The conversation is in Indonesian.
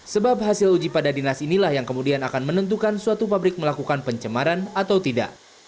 sebab hasil uji pada dinas inilah yang kemudian akan menentukan suatu pabrik melakukan pencemaran atau tidak